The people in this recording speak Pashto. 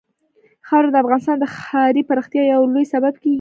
خاوره د افغانستان د ښاري پراختیا یو لوی سبب کېږي.